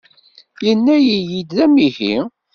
Yenna-iyi-d amihi!